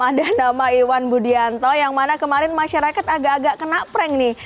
ada nama iwan budianto yang mana kemarin masyarakat agak agak kena prank nih